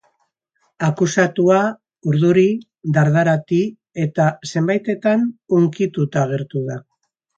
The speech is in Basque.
Akusatua urduri, dardarati eta, zenbaitetan, hunkituta agertu da.